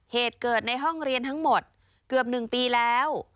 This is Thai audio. เหตุเกิดในห้องเรียนทั้งหมดเกือบ๑ปีแล้ว